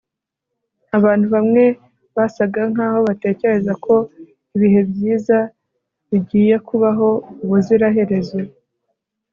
abantu bamwe basaga nkaho batekereza ko ibihe byiza bigiye kubaho ubuziraherezo